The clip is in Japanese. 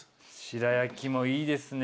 白焼もいいですね。